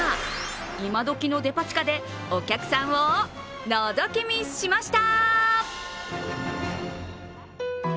今どきのデパ地下でお客さんをのぞき見しました！